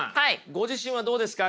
ご自身はどうですか？